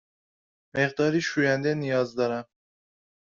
مقداری شوینده نیاز دارم.